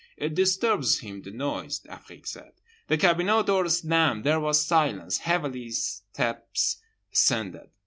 "It disturbs him, the noise," Afrique said. The cabinot door slammed. There was silence. Heavily steps ascended.